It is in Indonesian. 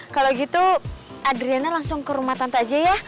kalau gitu adriana langsung ke rumah tante aja ya